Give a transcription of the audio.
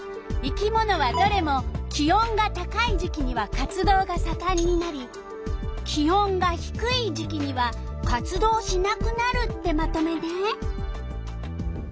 生き物はどれも気温が高い時期には活動がさかんになり気温がひくい時期には活動しなくなるってまとめね。